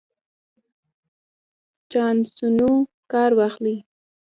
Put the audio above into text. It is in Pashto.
چانسونو کار واخلئ.